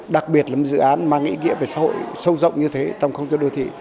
đặc biệt là một dự án mang ý nghĩa về xã hội sâu rộng như thế trong không gian đô thị